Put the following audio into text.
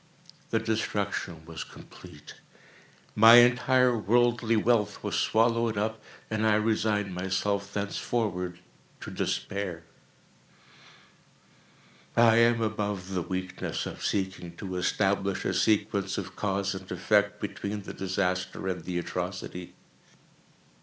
The destruction was complete. My entire worldly wealth was swallowed up, and I resigned myself thenceforward to despair. I am above the weakness of seeking to establish a sequence of cause and effect, between the disaster and the atrocity.